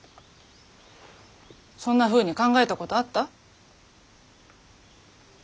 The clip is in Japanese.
そんなふうに考えたことあった？